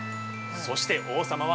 そして王様は。